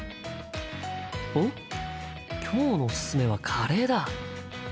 おっ今日のおすすめはカレーだ。